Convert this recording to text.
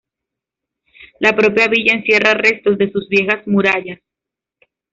La propia villa encierra restos de sus viejas murallas.